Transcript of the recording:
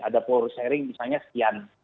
ada power sharing misalnya sekian